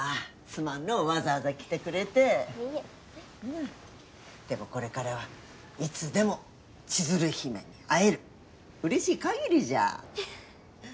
すまんのわざわざ来てくれていえでもこれからはいつでも千鶴姫に会えるうれしいかぎりじゃフフ